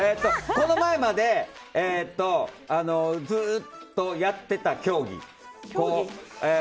この前までずっとやってた競技。